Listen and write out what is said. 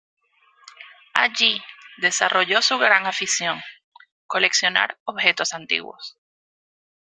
Allí desarrolló su gran afición: coleccionar objetos antiguos.